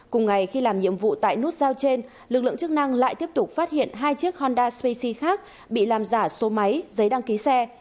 cùng ngày khi làm nhiệm vụ tại nút giao trên lực lượng chức năng lại tiếp tục phát hiện hai chiếc honda swaysi khác bị làm giả số máy giấy đăng ký xe